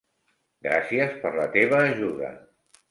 Gràcies per la teva ajuda.